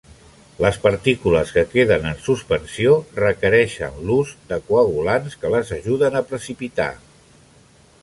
Les partícules que queden en suspensió requereixen l'ús de coagulants que les ajuden a precipitar.